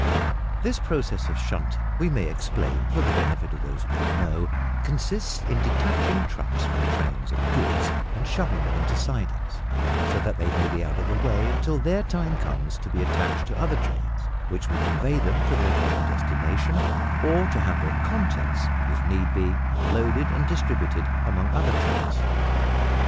This process of shunting, we may explain for the benefit of those who don't know, consists in detaching trucks from trains of goods and shoving them into sidings, so that they may be out of the way, until their time comes to be attached to other trains, which will convey them to their proper destination, or to have their contents, if need be, unloaded and distributed among other trucks.